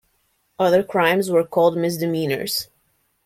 Other crimes were called "misdemeanors".